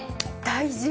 大事。